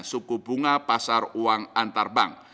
suku bunga pasar uang antarbank